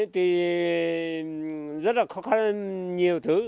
thì rất là khó khăn nhiều thứ